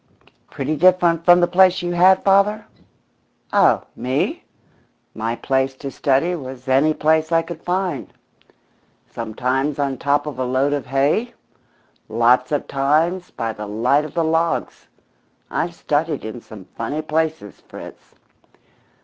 "Pretty different from the place you had, father?" "Oh me? My place to study was any place I could find. Sometimes on top of a load of hay, lots of times by the light of the logs. I've studied in some funny places, Fritz."